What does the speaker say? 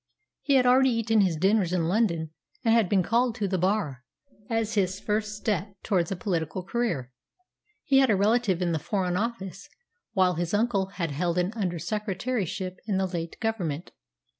He had already eaten his dinners in London, and had been called to the Bar as the first step towards a political career. He had a relative in the Foreign Office, while his uncle had held an Under Secretaryship in the late Government.